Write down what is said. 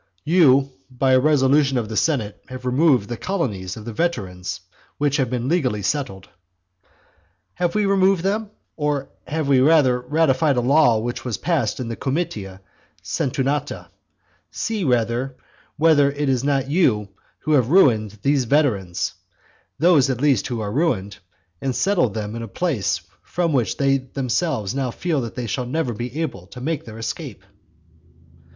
"You, by a resolution of the senate, have removed the colonies of the veterans which had been legally settled". Have we removed them, or have we rather ratified a law which was passed in the comitia centunata? See, rather, whether it is not you who have ruined these veterans (those at least who are ruined,) and settled them in a place from which they themselves now feel that they shall never be able to make their escape.